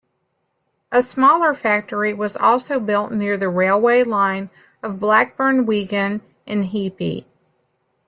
A smaller factory was also built near the railway line of Blackburn-Wigan in Heapey.